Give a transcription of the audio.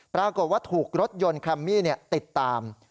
ปรากฏว่าถูกรถยนต์แคมมี่ติดตาม